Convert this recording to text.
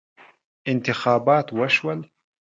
انتخابات وشول.